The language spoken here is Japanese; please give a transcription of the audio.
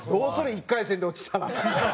１回戦で落ちたら。